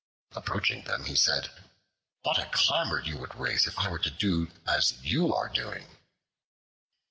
Approaching them, he said, "What a clamor you would raise if I were to do as you are doing!"